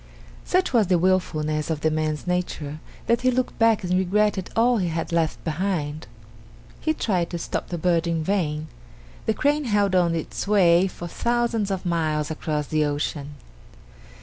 Such was the wilfulness of the man's nature that he looked back and regretted all he had left behind. He tried to stop the bird in vain. The crane held on its way for thousands of miles across the ocean.